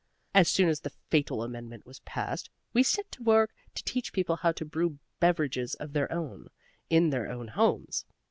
As soon as the fatal amendment was passed we set to work to teach people how to brew beverages of their own, in their own homes.